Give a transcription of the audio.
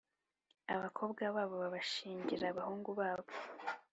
abakobwa babo babashyingira abahungu babo